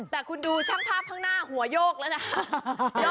แต่คุณดูช่างภาพข้างหน้าหัวโยกแล้วนะ